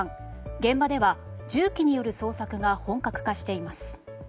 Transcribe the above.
現場では重機による捜索が本格化しています。